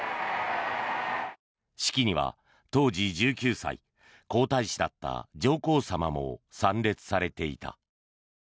式には当時１９歳、皇太子だった上皇さまも参列されていた。